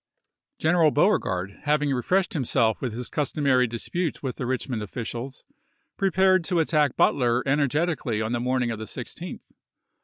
General Beauregard, having refreshed himself with his customary dispute with the Richmond officials, prepared to attack Butler energetically on the morning of the 16th.